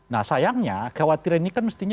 nah sayangnya kekhawatiran ini kan mestinya